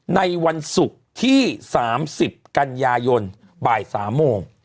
ในวันศุกร์ที่๓๐กันยายนบ่าย๓โมง